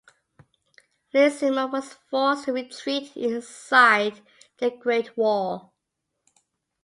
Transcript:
Li Simo was forced to retreat inside the Great Wall.